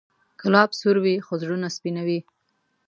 ګلاب سور وي، خو زړونه سپینوي.